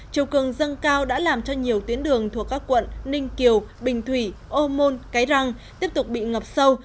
chiều cường dâng cao đã làm cho nhiều tuyến đường thuộc các quận ninh kiều bình thủy ô môn cái răng tiếp tục bị ngập sâu